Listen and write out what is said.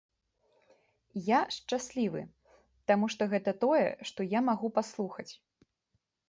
Я шчаслівы, таму што гэта тое, што я магу паслухаць.